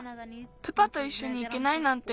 プパといっしょにいけないなんて。